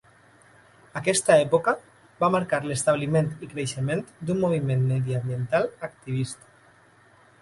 Aquesta època va marcar l'establiment i creixement d'un moviment mediambiental activista.